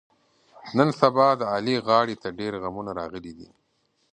نن سبا د علي غاړې ته ډېرغمونه راغلي دي.